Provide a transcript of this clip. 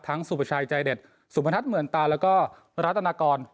ทั้งสุพชายใจเด็ดสุมทรรษเหมือนตาและก็รัฐนากร